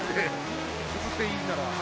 映っていいなら。